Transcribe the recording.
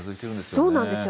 そうなんですよ。